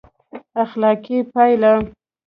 اخلاقي پایله: